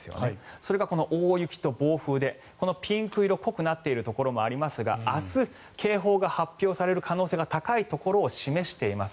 それがこの大雪と暴風でピンク色濃くなっているところもありますが明日、警報が発表される可能性が高いところを示しています。